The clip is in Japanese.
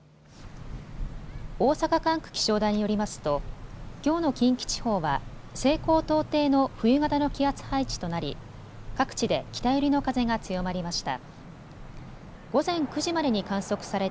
大阪管区気象台によりますときょうの近畿地方は西高東低の冬型の気圧配置となり各地で北寄りの風が強まりました。